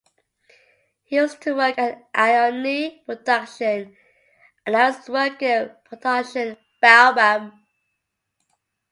He used to work at Aoni Production and now is working at Production Baobab.